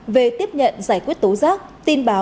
về tiếp nhận giải quyết tố giác tin báo